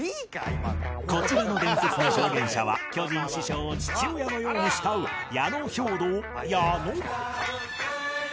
こちらの伝説の証言者は巨人師匠を父親のように慕う矢野・兵動矢野